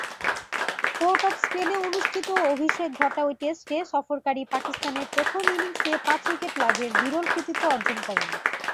Port of স্পেনে অনুষ্ঠিত অভিষেক ঘটা ঐ টেস্টে সফরকারী পাকিস্তানের প্রথম ইনিংসে পাঁচ-উইকেট লাভের বিরল কৃতিত্ব অর্জন করেন।